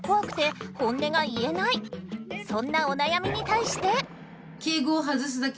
そんなお悩みに対して。